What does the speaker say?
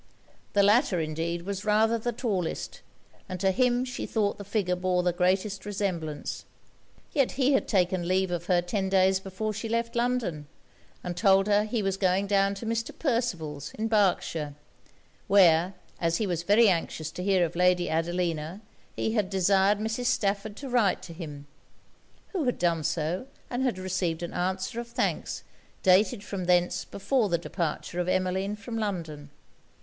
The latter, indeed, was rather the tallest, and to him she thought the figure bore the greatest resemblance. Yet he had taken leave of her ten days before she left London, and told her he was going down to Mr. Percival's, in Berkshire; where, as he was very anxious to hear of Lady Adelina, he had desired Mrs. Stafford to write to him; (who had done so, and had received an answer of thanks dated from thence before the departure of Emmeline from London).